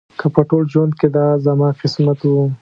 که په ټول ژوند کې دا زما قسمت و.